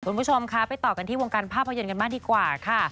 คุณผู้ชมคะไปต่อกันที่วงการภาพยนตร์กันบ้างดีกว่าค่ะ